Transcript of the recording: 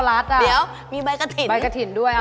ถ้าวิเคราะห์ขนาดนี้เอาเงินให้เขาไปเถอะ